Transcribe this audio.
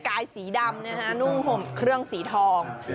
กายสีดำนะฮะนุ่งห่มเครื่องสีทอง